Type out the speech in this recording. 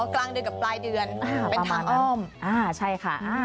กลางเดือนกับปลายเดือนเป็นทางอ้อมใช่ค่ะ